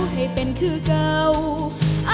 ให้เป็นคือเก่า